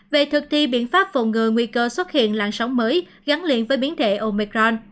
về thực thi biện pháp phụng ngừa nguy cơ xuất hiện làn sóng mới